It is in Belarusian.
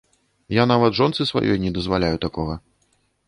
Я нават жонцы сваёй не дазваляю такога.